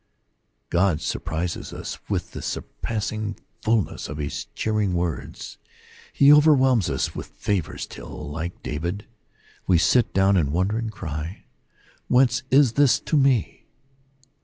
God surprises us with the surpassing fulness of his cheering words: he over whelms us with favors till, like David, we sit down in wonder, and cry, " Whence is this to me